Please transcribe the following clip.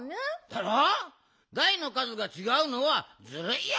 だいのかずがちがうのはずるいよ。